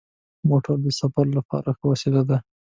موټر د سفر لپاره ښه وسیله ده.